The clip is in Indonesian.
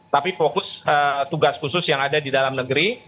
tapi fokus tugas khusus yang ada di dalam negeri